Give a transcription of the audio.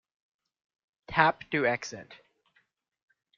Tap to exit.